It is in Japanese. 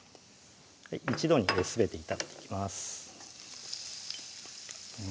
一度にすべて炒めていきます